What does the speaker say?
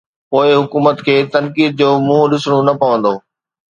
پوءِ حڪومت کي تنقيد جو منهن ڏسڻو نه پوندو.